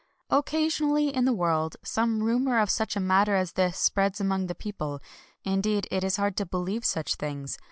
Occasionally in the world some rumor of such a matter as this spreads among the peo ple. Indeed, it is hard to believe such things.